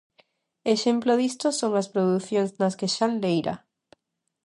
Exemplo disto son as producións nas que Xan Leira.